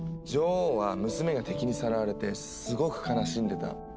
女王は娘が敵にさらわれてすごく悲しんでた。